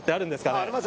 ありますよ。